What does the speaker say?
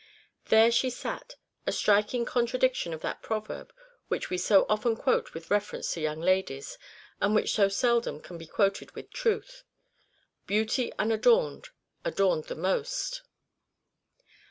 There she sat a striking contradiction of that proverb which we so often quote with reference to young ladies, and which so seldom can be quoted with truth, "Beauty unadorned, adorned the most."